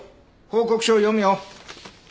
報告書を読むよ。